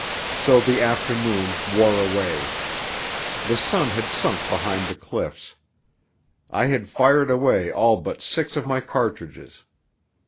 So the afternoon wore away. The sun had sunk behind the cliffs. I had fired away all but six of my cartridges.